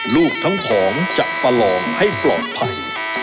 ลูกทั้งผองจะประลองให้ปลอดภัย